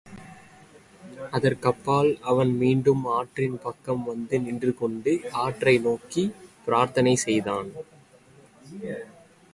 அதற்கப்பால், அவன் மீண்டும் ஆற்றின் பக்கம் வந்து நின்றுகொண்டு, ஆற்றை நோக்கிப் பிரார்த்தனை செய்தான்.